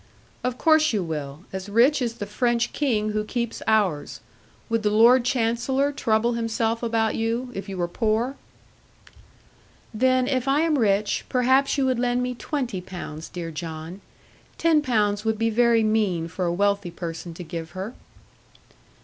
'Of course you will. As rich as the French King who keeps ours. Would the Lord Chancellor trouble himself about you, if you were poor?' 'Then if I am rich, perhaps you would lend me twenty pounds, dear John. Ten pounds would be very mean for a wealthy person to give her.'